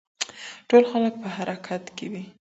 ټول خلک په حرکت کې وي.